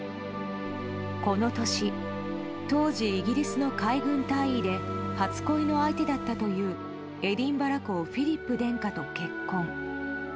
この年当時イギリスの海軍大尉で初恋の相手だったというエディンバラ公フィリップ殿下と結婚。